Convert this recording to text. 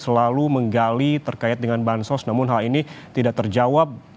selalu menggali terkait dengan bansos namun hal ini tidak terjawab